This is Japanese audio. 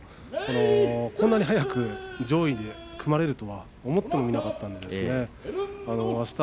こんなに早く上位と組まれるとは思ってもみませんでした。